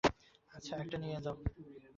আচ্ছা, একটা নিয়ে যাও।